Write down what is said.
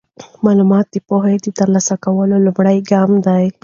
معلومات د پوهې د ترلاسه کولو لومړی ګام دی.